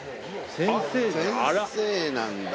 先生なんだ。